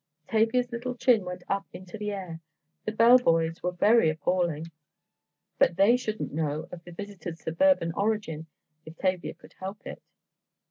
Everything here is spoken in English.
Tavia's little chin went up into the air—the bell boys were very appalling—but they shouldn't know of the visitors' suburban origin if Tavia could help it.